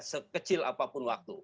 sekecil apapun waktu